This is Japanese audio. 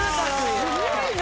すごいな！